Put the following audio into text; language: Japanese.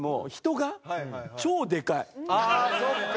ああそっか。